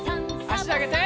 あしあげて。